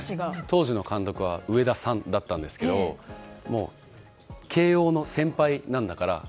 当時の監督はウエダさんだったんですけど慶応の先輩なんだから○○